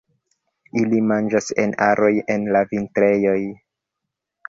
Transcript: Ili manĝas en aroj en la vintrejoj.